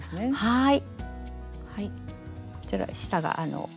はい。